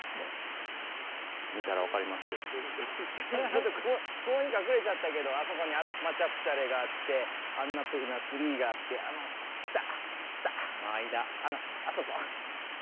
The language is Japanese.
ちょっと雲に隠れちゃったけどあそこにマチャプチャレがあってアンナプルナⅢがあってあの下下間あのあそこ。